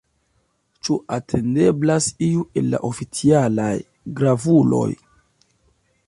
Ĉu atendeblas iu el la oficialaj gravuloj?